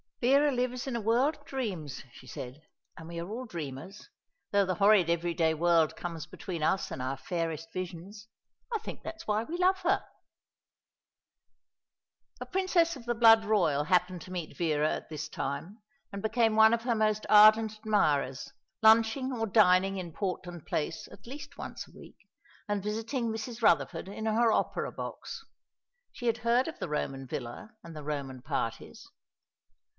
"Vera lives in a world of dreams," she said, "and we are all dreamers, though the horrid everyday world comes between us and our fairest visions. I think that's why we love her." A Princess of the blood royal happened to meet Vera at this time, and became one of her most ardent admirers, lunching or dining in Portland Place at least once a week, and visiting Mrs. Rutherford in her opera box. She had heard of the Roman villa and the Roman parties.